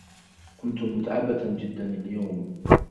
كنت متعبة جدا اليوم.